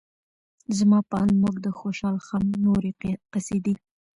زما په اند موږ د خوشال خان نورې قصیدې